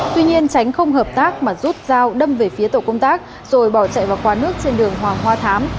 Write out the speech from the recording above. tuy nhiên tránh không hợp tác mà rút dao đâm về phía tổ công tác rồi bỏ chạy vào quán nước trên đường hoàng hoa thám